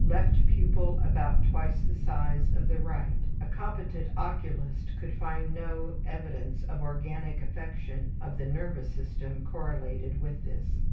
Left pupil about twice the size of the right. (A competent oculist could find no evidence of organic affection of the nervous system correlated with this.)